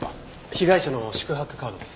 被害者の宿泊カードです。